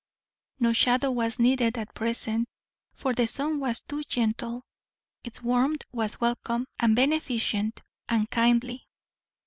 No shadow was needed at present, for the sun was too gentle; its warmth was welcome, and beneficent, and kindly.